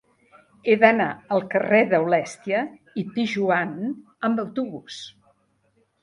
He d'anar al carrer d'Aulèstia i Pijoan amb autobús.